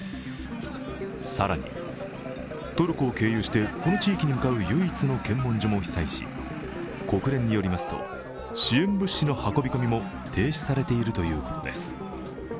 更にトルコを経由してこの地域に向かう唯一の検問所も被災し国連によりますと、支援物資の運び込みも停止されているということです。